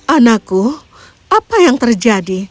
anakku apa yang terjadi